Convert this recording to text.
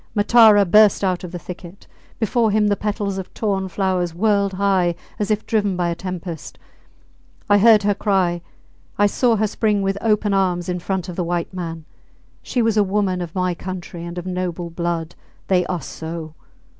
Matara burst out of the thicket; before him the petals of torn flowers whirled high as if driven by a tempest. I heard her cry; I saw her spring with open arms in front of the white man. She was a woman of my country and of noble blood. They are so!